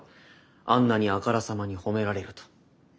あんなにあからさまに褒められると。